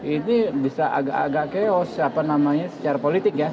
ini bisa agak agak chaos secara politik ya